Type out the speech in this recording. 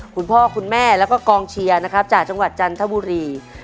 คุณพ่อคุณแม่แล้วก็กองเชียร์นะครับจากจังหวัดจันทบุรี